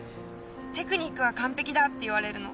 テクニックは完ぺきだって言われるの。